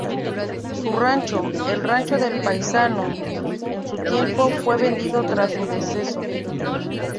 Su rancho, el "Rancho del Paisano" en su tiempo, fue vendido tras su deceso.